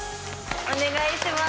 お願いします。